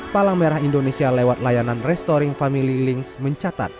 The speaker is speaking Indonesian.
palang merah indonesia lewat layanan restoring family links mencatat